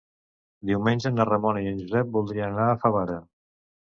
Diumenge na Ramona i en Josep voldrien anar a Favara.